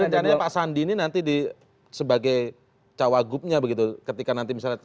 jadi nanti pak sandi ini nanti sebagai cawagupnya begitu ketika nanti misalnya